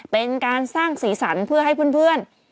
เป็นการสร้างสีสันเพื่อให้เพื่อน